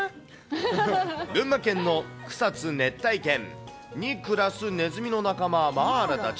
群馬県のくさつねったいけんに暮らすネズミの仲間、マーラたち。